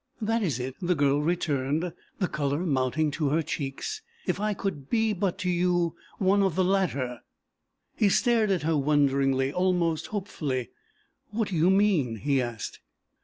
"That is it," the girl returned, the color mounting to her cheeks; "if I could but be to you one of the latter." He stared at her wonderingly, almost hopefully. "What do you mean?" he asked.